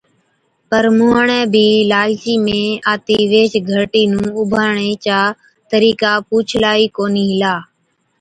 پَر مُونهاڻَي بِي لالچِي ۾ آتِي ويهچ گھَرٽِي نُون اُڀاڻڻي چا طرِيقا پُوڇلا ئِي ڪونهِي هِلا۔